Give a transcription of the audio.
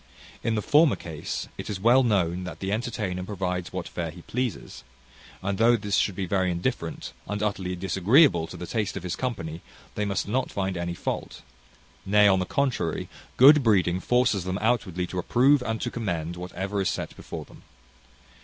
In the former case, it is well known that the entertainer provides what fare he pleases; and though this should be very indifferent, and utterly disagreeable to the taste of his company, they must not find any fault; nay, on the contrary, good breeding forces them outwardly to approve and to commend whatever is set before them.